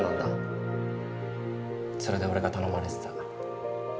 それで俺が頼まれてた。